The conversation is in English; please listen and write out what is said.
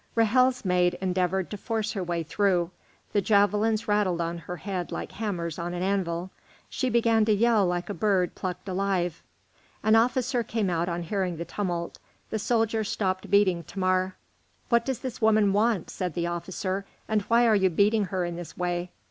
Ra'hel's maid endeavoured to force her way through; the javelins rattled on her head like hammers on an anvil. She began to yell like a bird plucked alive. An officer came out on hearing the tumult; the soldiers stopped beating Thamar. "What does this woman want?" said the officer, "and why are you beating her in this way?"